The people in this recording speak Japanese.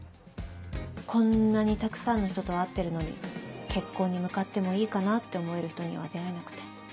こんなにたくさんの人と会ってるのに結婚に向かってもいいかなって思える人には出会えなくて。